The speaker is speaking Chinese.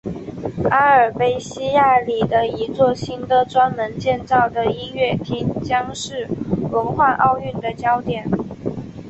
阿尔卑西亚里的一座新的专门建造的音乐厅将是文化奥运的焦点。